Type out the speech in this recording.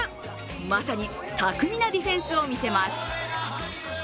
まさに巧みなディフェンスを見せます。